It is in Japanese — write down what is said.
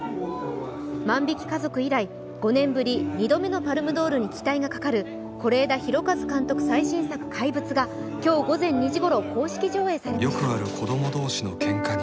「万引き家族」以来、５年ぶり２度目のパルムドールに期待がかかる、是枝裕和監督の最新作「怪物」が今日午前２時ごろ、公式上映されました。